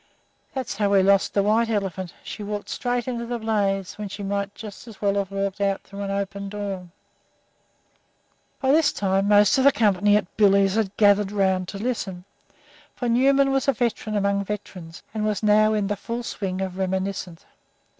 That's how we lost the white elephant. She walked straight into the blaze, when she might just as well have walked out through the open door." By this time most of the company at "Billy's" had gathered about to listen, for Newman was a veteran among veterans, and was now in the full swing of reminiscence.